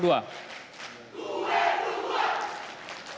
tuh eh tuh tuh